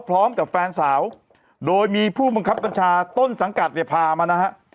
พร้อมกับแฟนสาวโดยมีผู้บังคับบัญชาต้นสังกัดเนี่ยพามานะฮะ